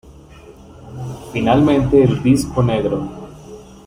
Finalmente el disco negro.